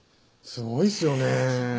すごいですよね